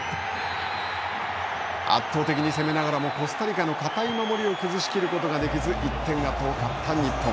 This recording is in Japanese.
圧倒的に攻めながらもコスタリカの堅い守りを崩しきることができず１点が遠かった日本。